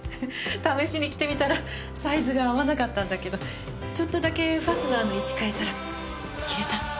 試しに着てみたらサイズが合わなかったんだけどちょっとだけファスナーの位置変えたら着れたの。